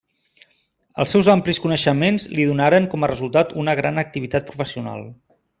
Els seus amplis coneixements li donaren com a resultat una gran activitat professional.